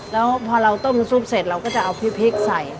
แล้วพอเราต้มน้ำซุปเสร็จเราก็จะเอาพริกใส่